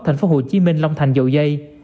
thành phố hồ chí minh long thành dậu dây